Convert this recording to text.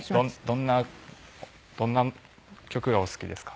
どんなどんな曲がお好きですか？